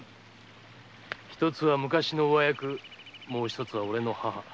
一つは昔の上役もう一つは俺の母。